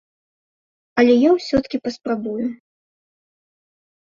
Але я ўсё-ткі паспрабую.